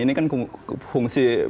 ini kan fungsi